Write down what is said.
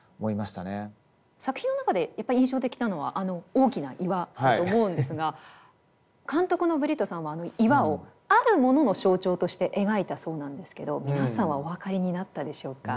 作品の中でやっぱ印象的なのはあの大きな岩だと思うんですが監督のブリットさんはあの岩をあるものの象徴として描いたそうなんですけど皆さんはお分かりになったでしょうか？